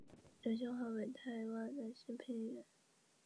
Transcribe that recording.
叶乃菁事件是台湾一起浪费社会资源的事件。